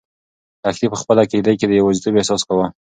لښتې په خپله کيږدۍ کې د یوازیتوب احساس کاوه.